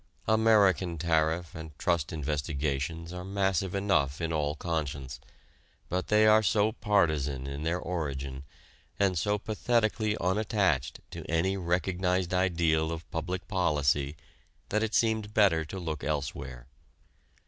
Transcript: American tariff and trust investigations are massive enough in all conscience, but they are so partisan in their origin and so pathetically unattached to any recognized ideal of public policy that it seemed better to look elsewhere.